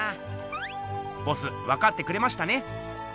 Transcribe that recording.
ボスわかってくれましたね？